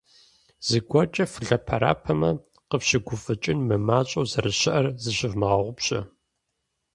ЗыгуэркӀэ фылъэпэрапэмэ, къыфщыгуфӀыкӀын мымащӀэу зэрыщыӀэр зыщывмыгъэгъупщэ!